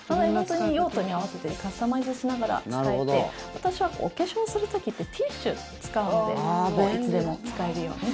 用途に合わせてカスタマイズしながら使えて私は、お化粧する時ってティッシュを使うのでいつでも使えるように。